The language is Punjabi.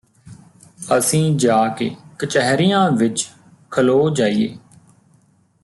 ਅਸੀਂ ਜਾ ਕੇ ਕਚਹਿਰੀਆਂ ਵਿੱਚ ਖਲੋ ਜਾਈਏ